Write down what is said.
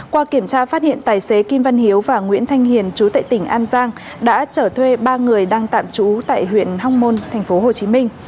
qua kiểm tra phát hiện tài xế kim văn hiếu và nguyễn thanh hiền chú tệ tỉnh an giang đã trở thuê ba người đang tạm trú tại huyện hong mon tp hcm